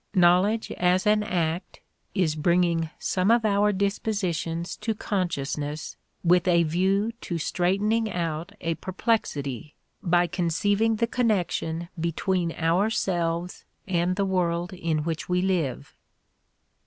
Knowledge as an act is bringing some of our dispositions to consciousness with a view to straightening out a perplexity, by conceiving the connection between ourselves and the world in which we live.